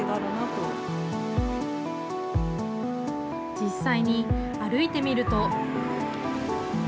実際に歩いてみると。